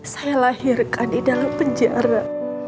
saya lahirkan di dalam penjara